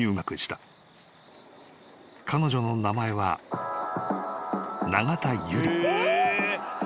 ［彼女の名前は永田有理］